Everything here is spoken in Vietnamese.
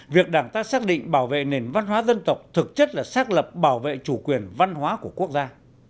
việc đảng ta xác định bảo vệ nền văn hóa dân tộc thực chất là xác lập bảo vệ chủ quyền văn hóa của quốc gia